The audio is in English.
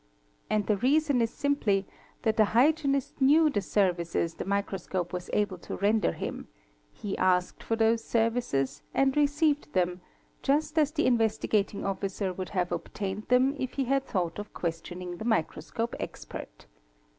And the reason is simply that the hygienist knew the services the microscope was able to render him ; he asked for those services and received them, just as the Investi gating Officer would have obtained them if he had thought of questioning the microscope expert.